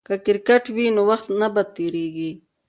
که کرکټ وي نو وخت نه بد تیریږي.